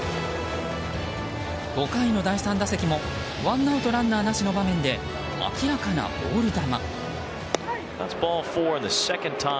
５回の第３打席もワンアウトランナーなしの場面で明らかなボール球。